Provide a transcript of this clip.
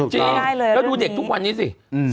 จริงแล้วเรื่องนี้แล้วดูเด็กทุกวันนี้สิ